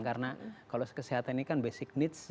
karena kalau kesehatan ini kan basic needs